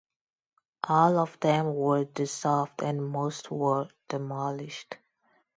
All of them were dissolved, and most were demolished.